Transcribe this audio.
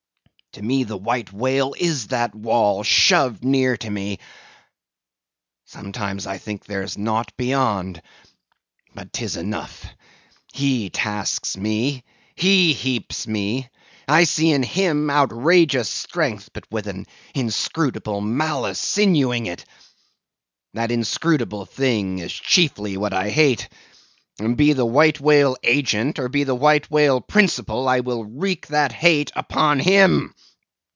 To me, the white whale is that wall, shoved near to me. Sometimes I think there's naught beyond. But 'tis enough. He tasks me; he heaps me; I see in him outrageous strength, with an inscrutable malice sinewing it. That inscrutable thing is chiefly what I hate; and be the white whale agent, or be the white whale principal, I will wreak that hate upon him.